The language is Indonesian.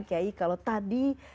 kiai kalau tadi